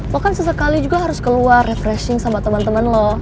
lo kan sesekali juga harus keluar refreshing sama temen temen lo